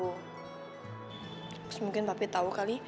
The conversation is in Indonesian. terus mungkin papi tahu kali